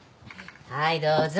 はいどうぞ。